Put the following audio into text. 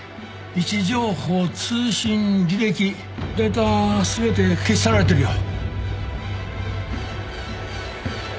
位置情報通信履歴データ全て消し去られてるよ。